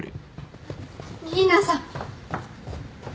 新名さん。